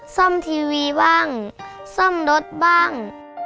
ซ่อมทีวีบ้างซ่อมรถบ้าง